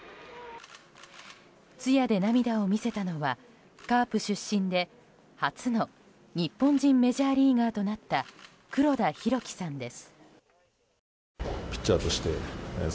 通夜で涙を見せたのはカープ出身で初の日本人メジャーリーガーとなった黒田博樹さんです。